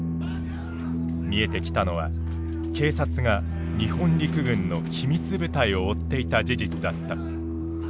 見えてきたのは警察が日本陸軍の秘密部隊を追っていた事実だった。